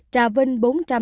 trà vinh bốn trăm năm mươi bốn